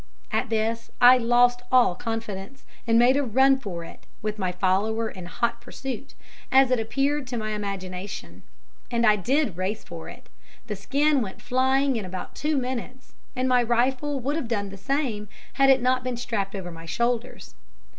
At this I lost all confidence, and made a run for it, with my follower in hot pursuit, as it appeared to my imagination; and I did race for it (the skin went flying in about two minutes, and my rifle would have done the same had it not been strapped over my shoulders).